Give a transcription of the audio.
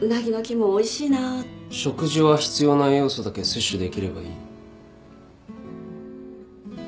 食事は必要な栄養素だけ摂取できればいい。